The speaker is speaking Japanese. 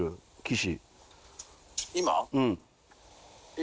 「今？」